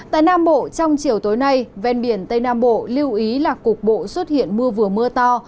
tại nam bộ trong chiều tối nay ven biển tây nam bộ lưu ý là cục bộ xuất hiện mưa vừa mưa to